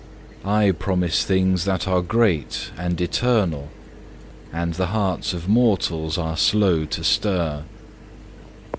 I promise things that are great and eternal, and the hearts of mortals are slow to stir.